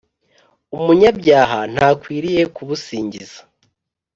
Umunyabyaha ntakwiriye kubusingiza,